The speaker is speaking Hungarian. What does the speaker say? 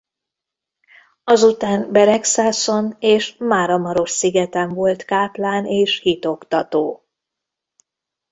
Azután Beregszászon és Máramarosszigeten volt káplán és hitoktató.